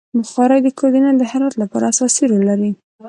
بخاري د کور دننه د حرارت لپاره اساسي رول لري.